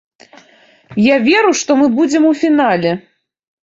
Я веру, што мы будзем у фінале.